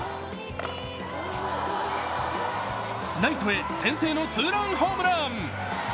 ライトへ先制のツーランホームラン。